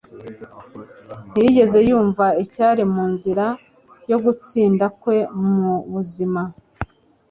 ntiyigeze yumva icyari mu nzira yo gutsinda kwe mu buzima